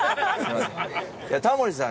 タモリさん！